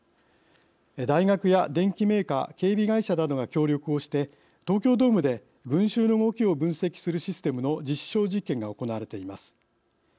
大学や電機メーカー警備会社などが協力をして東京ドームで群集の動きを分析するシステムの実証実験が行われています。